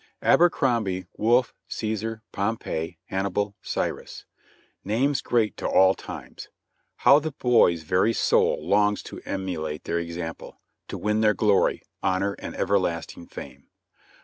Abercrombie, Wolfe, Caesar, Pompey, Hannibal, Cyrus, — names great to all times. How the boy's very soul longs to emulate their example, to win their glory, honor and everlasting fame.